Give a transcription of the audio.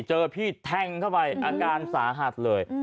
เจอพี่แทงเข้าไปอาการสาหัสเลย